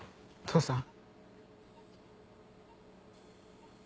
父さん。